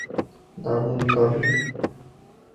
দারুন, দারুন।